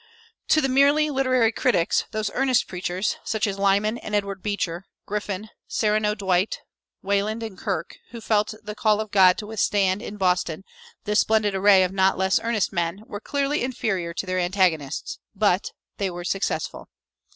To the merely literary critic those earnest preachers, such as Lyman and Edward Beecher, Griffin, Sereno Dwight, Wayland, and Kirk, who felt called of God to withstand, in Boston, this splendid array of not less earnest men, were clearly inferior to their antagonists. But they were successful.